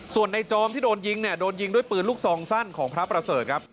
ส่วนในจอมที่โดนยิงเนี่ยโดนยิงด้วยปืนลูกซองสั้นของพระประเสริฐครับ